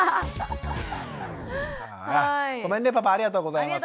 ごめんねパパありがとうございます。